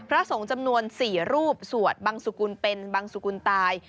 พระสงฆ์จำนวน๔รูปสวดบังสุกุลเป็นบังสุกุลตาย